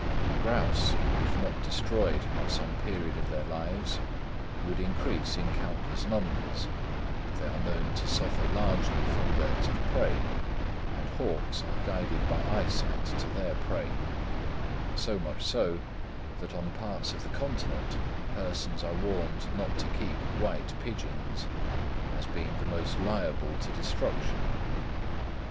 Grouse, if not destroyed at some period of their lives, would increase in countless numbers; they are known to suffer largely from birds of prey; and hawks are guided by eyesight to their prey,—so much so that on parts of the continent persons are warned not to keep white pigeons, as being the most liable to destruction.